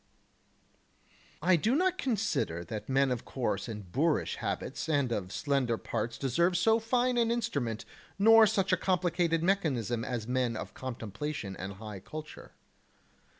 12. I do not consider that men of coarse and boorish habits and of slender parts deserve so fine an instrument nor such a complicated mechanism as men of contemplation and high culture.